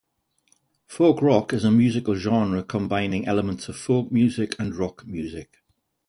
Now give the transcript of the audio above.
Folk rock is a musical genre combining elements of folk music and rock music.